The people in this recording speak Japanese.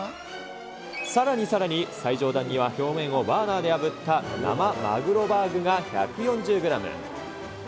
さらにさらに最上段には、表面をバーナーであぶった生マグロバーグが１４０グラム。